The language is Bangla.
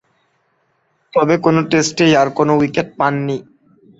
তবে, কোন টেস্টেই আর কোন উইকেট পাননি।